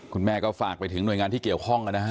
คุณแม่ก็ฝากไปถึงหน่วยงานที่เกี่ยวข้องนะฮะ